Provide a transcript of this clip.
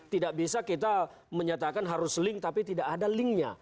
tidak bisa kita menyatakan harus link tapi tidak ada linknya